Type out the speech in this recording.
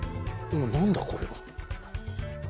何だこれは。